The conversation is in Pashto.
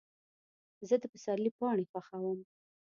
زه د پسرلي پاڼې خوښوم.